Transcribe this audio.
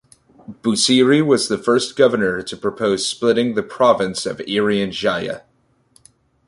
Busiri was the first governor to propose splitting the Province of Irian Jaya.